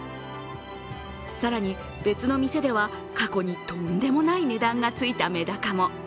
更に、別の店では過去にとんでもない値段がついたメダカも。